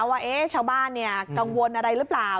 ว่าชาวบ้านกังวลอะไรหรือเปล่า